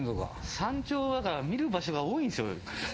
山頂は見る場所が多いんですよ。